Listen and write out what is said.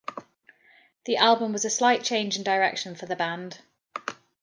The album was a slight change in direction for the band.